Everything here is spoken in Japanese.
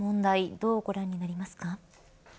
どうご覧になりますか。